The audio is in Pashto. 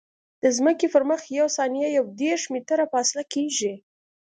د ځمکې پر مخ یوه ثانیه یو دېرش متره فاصله کیږي